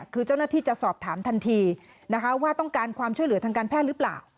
คือเจ้าหน้าที่จะสอบถามทันทีนะคะว่าต้องการความช่วยเหลือทางการแพทย์หรือเปล่า